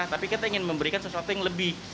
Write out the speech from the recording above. tapi kita ingin memberikan sesuatu yang lebih